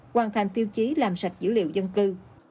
hoàn thành tiêu chí làm sạch dữ liệu dân cư